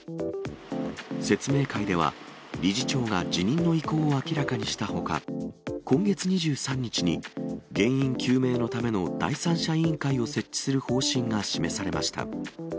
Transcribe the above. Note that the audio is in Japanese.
説明会では、理事長が辞任の意向を明らかにしたほか、今月２３日に、原因究明のための第三者委員会を設置する方針が示されました。